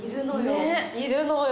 いるのよ。